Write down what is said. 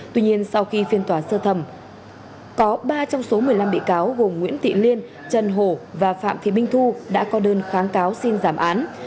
tuy nhiên sau khi phiên tòa sơ thẩm có ba trong số một mươi năm bị cáo gồm nguyễn thị liên trần hổ và phạm thị minh thu đã có đơn kháng cáo xin giảm án